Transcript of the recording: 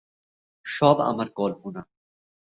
সব আমার কল্পনা।